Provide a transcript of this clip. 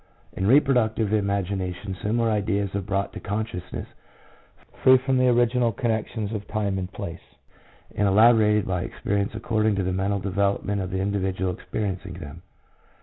In reproductive imagination similar ideas are brought to consciousness free from the original connections of time and place, and elaborated by experience according to the mental development of the individual experiencing them.